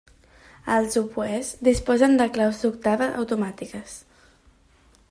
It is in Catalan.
Els oboès disposen de claus d'octava automàtiques.